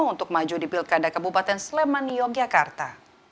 untuk maju di pilkada kabupaten sleman yogyakarta